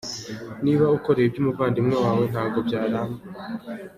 Niba ukoreye ibyo umuvandimwe wawe ntabwo byaramba.